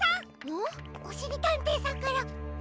おしりたんていさんから。